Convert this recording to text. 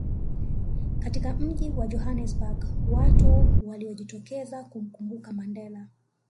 katika Mji wa Johannesburg watu waliojitokeza kumkumbuka Mandela